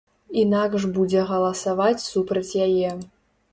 Інакш будзе галасаваць супраць яе.